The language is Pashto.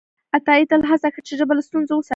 عطایي تل هڅه کړې چې ژبه له ستونزو وساتي.